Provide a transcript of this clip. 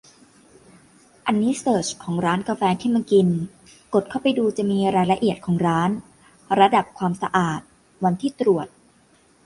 อันนี้เสิร์ชของร้านกาแฟที่มากิน กดเข้าไปดูจะมีรายละเอียดของร้าน ระดับความสะอาด วันที่ตรวจ